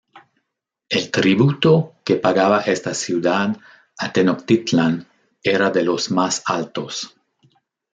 El tributo que pagaba esta ciudad a Tenochtitlán era de los más altos.